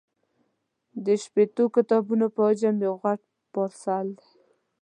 د شپېتو کتابونو په حجم یو غټ پارسل دی.